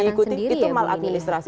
itu potensi maladministrasi